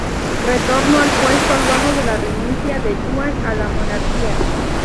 Retornó al puesto luego de la renuncia de Yuan a la monarquía.